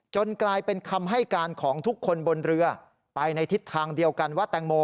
กลายเป็นคำให้การของทุกคนบนเรือไปในทิศทางเดียวกันว่าแตงโม